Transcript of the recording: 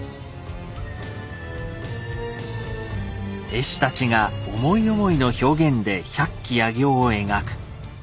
絵師たちが思い思いの表現で百鬼夜行を描く。